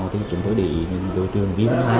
thì chúng tôi để ý đối tượng